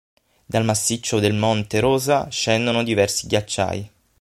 Dal massiccio del monte Rosa scendono diversi ghiacciai.